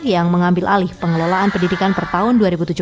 yang mengambil alih pengelolaan pendidikan per tahun dua ribu tujuh belas